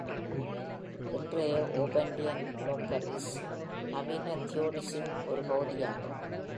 இன்றைய, ஓபன்டியன் லோக்ரிஸ் நவீன தியோடிஸின் ஒரு பகுதியாகும்.